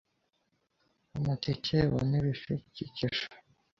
emeteke yebo n’ibibekikije.